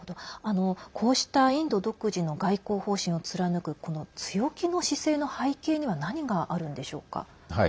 こうしたインド独自の外交方針を貫く強気の姿勢の背景には何があるんでしょうか？